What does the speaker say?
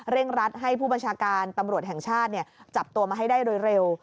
รัดให้ผู้บัญชาการตำรวจแห่งชาติจับตัวมาให้ได้โดยเร็ว